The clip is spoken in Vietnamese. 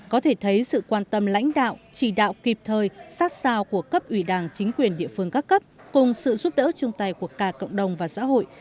có thể thấy sự quan tâm lãnh đạo chỉ đạo kịp thời sát sao của cấp ủy đảng chính quyền địa phương các cấp cùng sự giúp đỡ chung tay của cả cộng đồng và xã hội